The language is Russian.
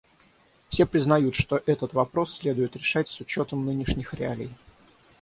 Все признают, что этот вопрос следует решать с учетом нынешних реалий.